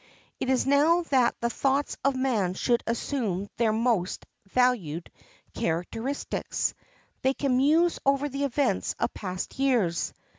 It is now that the thoughts of man should assume their most valued characteristics. They can muse over the events of past years.